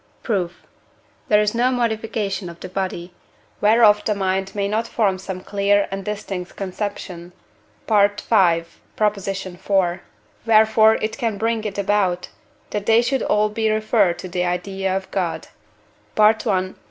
Proof. There is no modification of the body, whereof the mind may not form some clear and distinct conception (V. iv.); wherefore it can bring it about, that they should all be referred to the idea of God (I.